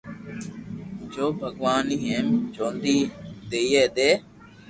تو ڀگواناوني ھيم چونڌي دئي دي